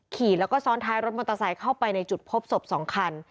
ขี่แล้วก็ซ้อนท้ายรถมอเตอร์ไซค์เข้าไปในจุดพบศพ๒คัน